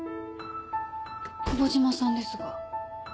久保島さんですが。